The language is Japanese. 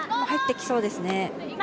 入ってきそうですね。